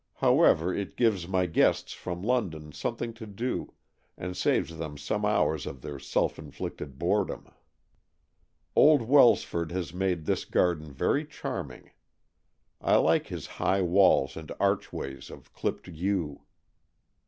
However, it gives my 248 AN EXCHANGE OF SOULS guests from London something to do, and saves them some hours of their self inflicted boredom. Old Welsford has made this garden very charming. I like his high walls and archways of clipped yew.